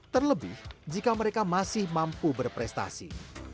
terlebih jika mereka masih mampu berprestasi